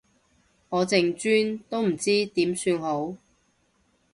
我淨專都唔知點算好